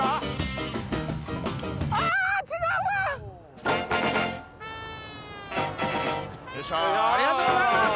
ありがとうございます。